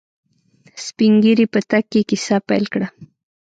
سپينږيري په تګ کې کيسه پيل کړه.